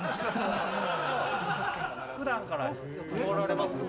普段からよく通られます？